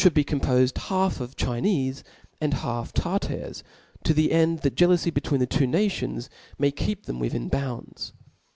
be Compofed half of Chi* nefe and half Tartars, to the end th^ thej^aloufy between the two nations may keep them within bounds.